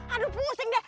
aduh pusing deh